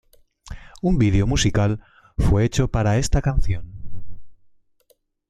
Un video musical fue hecho para esta canción.